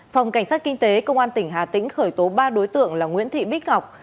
phòng cảnh sát kinh tế công an tỉnh hà tĩnh khởi tố ba đối tượng là nguyễn thị bích ngọc